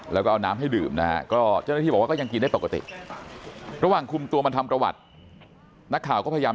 แล้วก็เอาน้ำให้ดื่มนะฮะ